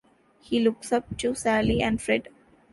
He looks up to Sally and Fred.